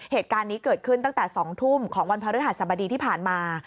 เหตุการณ์นี้เกิดขึ้นตั้งแต่๒ทุ่มของวันพระฤหัสบดีที่ผ่านมา